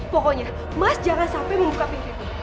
pokoknya mas jangan sampai membuka pintu